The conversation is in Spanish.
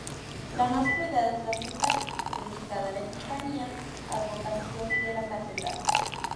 La más cuidada es la central, dedicada a la Epifanía, advocación de la catedral.